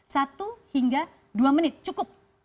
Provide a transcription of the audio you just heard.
satu hingga dua menit cukup